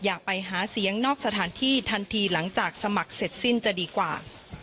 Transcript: อยากไปหาเสียงนอกสถานที่ทันทีหลังจากสมัครเสร็จสิ้นจะดีกว่า